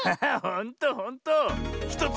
ほんとほんと。